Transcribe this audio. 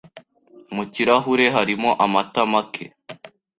Mu kirahure harimo amata make.